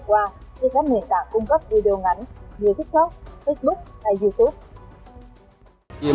qua trên các nền tảng cung cấp video ngắn như tiktok facebook hay youtube